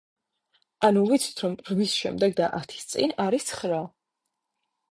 ანუ, ვიცით, რომ რვის შემდეგ და ათის წინ არის ცხრა.